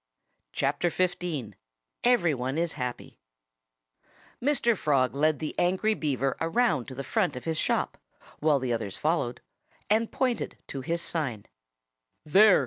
XV EVERYONE IS HAPPY Mr. Frog led the angry Beaver around to the front of his shop, while the others followed, and pointed to his sign. "There!"